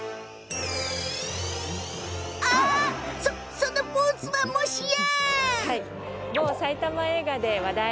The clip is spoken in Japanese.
そのポーズは、もしや？